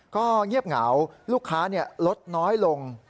ก็เงียบเหงาลูกค้าลดน้อยลง